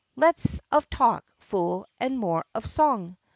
"Less of talk, fool, and more of song!"